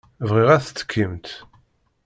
Bɣiɣ ad tettekkimt.